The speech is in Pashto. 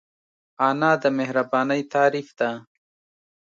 انا د مهربانۍ تعریف ده